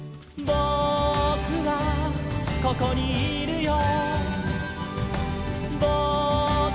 「ぼくはここにいるよ」